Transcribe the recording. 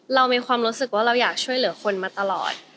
เรามีความรู้สึกว่าเราอยากช่วยเหลือคนมาตลอด